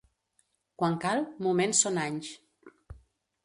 Quan cal, moments són anys.